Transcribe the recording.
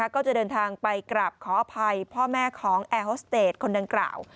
ก็จะเดินทางไปกราบขออภัยพ่อแม่ของแอร์โฮสเตจคนดังกล่าว